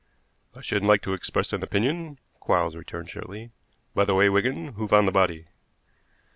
"I shouldn't like to express an opinion," Quarles returned shortly. "By the way, Wigan, who found the body?"